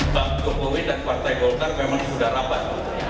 pertama kali di jepang pak jokowi dan partai golkar sudah rapat